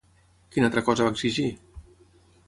Quina altra cosa va exigir?